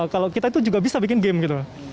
kalau kita itu juga bisa bikin game gitu